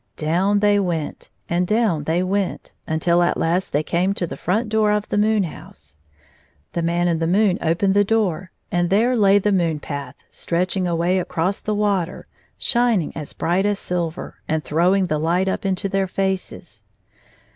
Down they went, and down they went, until at last they came to the front door of the moon house. The Man in the moon opened the door, and there lay the moon path stretching away across the water, shining as bright as silver, and throwing the light up into their faces.